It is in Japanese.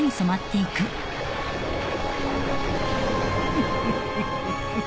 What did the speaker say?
フフフフ。